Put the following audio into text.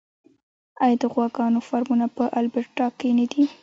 آیا د غواګانو فارمونه په البرټا کې نه دي؟